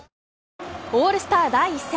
オールスター第１戦。